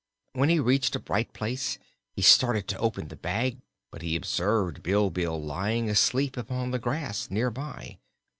When he reached a bright place he started to open the bag, but he observed Bilbil lying asleep upon the grass near by.